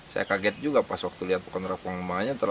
saya kaget juga pas lihat kontrak pengembangannya